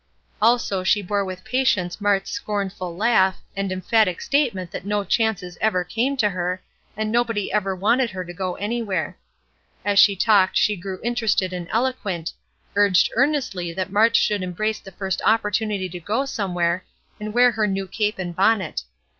Also she bore with patience Mart's scornful laugh, and emphatic statement that no chances ever came to her, and nobody ever wanted her to go anywhere. As she talked she grew interested and eloquent; urged earnestly that Mart should embrace the first opportunity to go somewhere, and wear her new cape and bonnet.